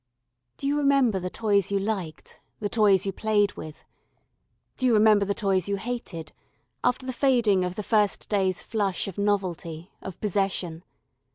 Do you remember the toys you liked, the toys you played with? Do you remember the toys you hated after the fading of the first day's flush of novelty, of possession?